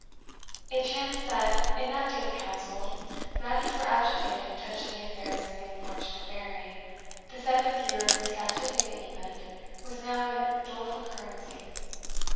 It chanced that in that day's council matters were agitated touching the affairs of the unfortunate Mary, the seventh year of whose captivity in England was now in doleful currency.